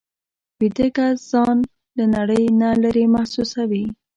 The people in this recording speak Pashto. ویده کس ځان له نړۍ نه لېرې محسوسوي